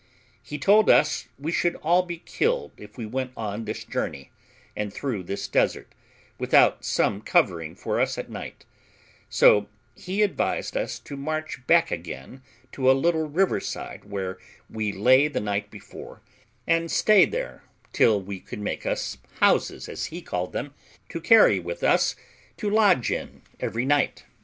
He told us we should be all killed if we went on this journey, and through this desert, without some covering for us at night; so he advised us to march back again to a little river side where we lay the night before, and stay there till we could make us houses, as he called them, to carry with us to lodge in every night.